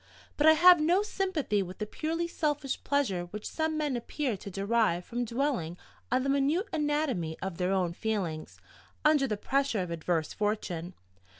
But I have no sympathy with the purely selfish pleasure which some men appear to derive from dwelling on the minute anatomy of their own feelings, under the pressure of adverse fortune.